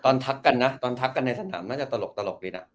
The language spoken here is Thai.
ทักกันนะตอนทักกันในสนามน่าจะตลกดีนะ